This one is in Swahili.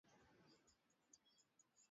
na wala kusiwepo sheria ya kumchukulia hatua